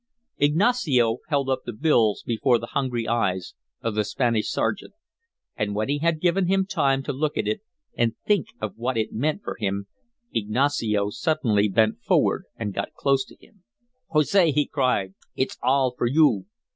Ignacio held up the bills before the hungry eyes of the Spanish sergeant. And when he had given him time to look at it and think of what it meant for him, Ignacio suddenly bent forward and got close to him. "Jose," he cried, "it's all for you!"